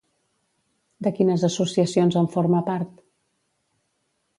De quines associacions en forma part?